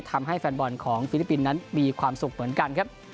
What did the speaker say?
แฟนบอลของฟิลิปปินส์นั้นมีความสุขเหมือนกันครับ